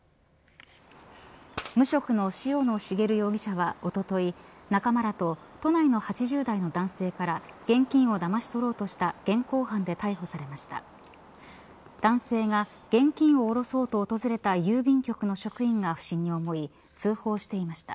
無職の塩野茂容疑者は、おととい仲間らと都内の８０代の男性から現金をだまし取ろうとした現行犯で逮捕されました。